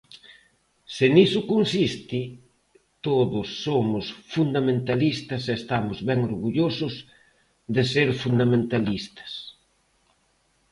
Se niso consiste, todos somos fundamentalistas e estamos ben orgullosos de ser fundamentalistas.